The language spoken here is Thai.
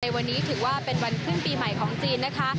วันนี้ถือว่าเป็นวันขึ้นปีใหม่ของจีนนะคะ